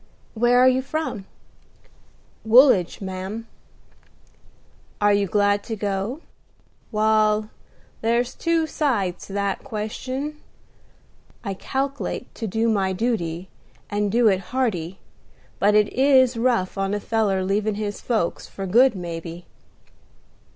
"Where are you from?" "Woolidge, ma'am." "Are you glad to go?" "Wal, there's two sides to that question. I calk'late to do my duty, and do it hearty: but it is rough on a feller leavin' his folks, for good, maybe."